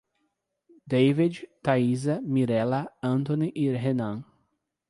Deivide, Thaisa, Mirella, Antony e Renam